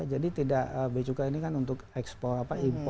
jadi tidak beacuka ini kan untuk ekspor apa impor